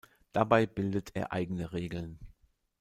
Dabei bildet er eigene Regeln.